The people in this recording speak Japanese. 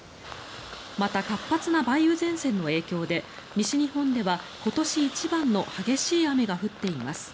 また活発な梅雨前線の影響で西日本では今年一番の激しい雨が降っています。